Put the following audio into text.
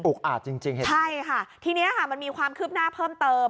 อุกอาจจริงใช่ค่ะทีนี้มันมีความคืบหน้าเพิ่มเติม